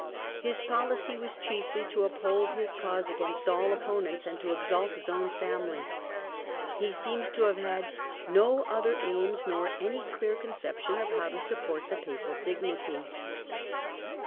His policy was chiefly to uphold his cause against all opponents and to exalt his own family. He seems to have had no other aims nor any clear concep tion of how to support the Papal dignity.